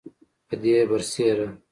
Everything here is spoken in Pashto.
پدې برسیره